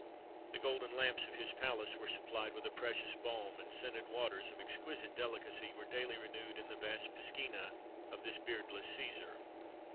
The golden lamps of his palace were supplied with a precious balm, and scented waters of exquisite delicacy were daily renewed in the vast piscina of this beardless Cæsar.